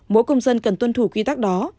mỗi công dân cần tuân thủ quy tắc đó